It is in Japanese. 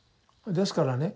ですからね